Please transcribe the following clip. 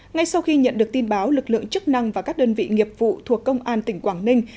ngay sau khi nhận được tin báo lực lượng chức năng và các đơn vị nghiệp vụ thuộc công an tỉnh quảng ninh